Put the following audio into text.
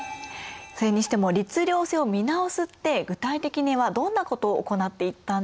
それにしても律令制を見直すって具体的にはどんなことを行っていったんでしょうか？